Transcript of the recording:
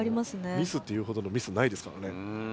ミスっていうほどのミスないですからね。